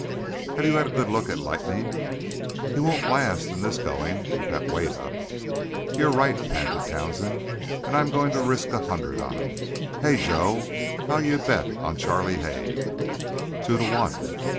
"Have you had a good look at Lightnin'?" "He won't last in this going with that weight up." "You're right," panted Townsend. "And I'm going to risk a hundred on him. Hey, Joe, how d'you bet on Charlie Haig?" "Two to one."